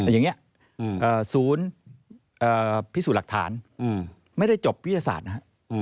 แต่อย่างนี้ศูนย์พิสูจน์หลักฐานไม่ได้จบวิทยาศาสตร์นะฮะ